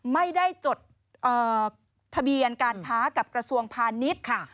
ไม่ได้จดทะเบียนการค้ากับกระทรวงพาณิชย์ค่ะ